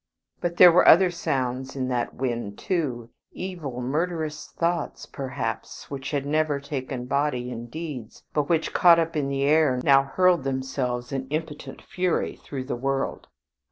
But there were other sounds in that wind, too. Evil, murderous thoughts, perhaps, which had never taken body in deeds, but which, caught up in the air, now hurled themselves in impotent fury through the world.